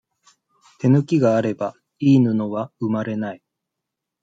手抜きがあれば、いい布は、生まれない。